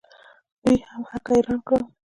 دوی هم هک حیران کړل.